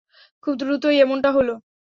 খুব দ্রুতই এমনটা হল।